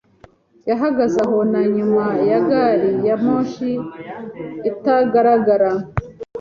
Yahagaze aho na nyuma ya gari ya moshi itagaragara.